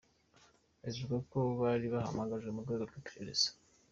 Ivuga ko bari bahamagajwe mu rwego rw’iperereza.